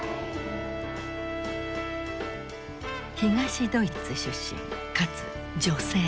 東ドイツ出身かつ女性。